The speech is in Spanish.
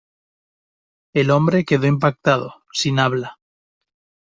El hombre quedó impactado, sin habla.